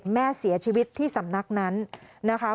แม่เสียชีวิตที่สำนักนั้นนะคะ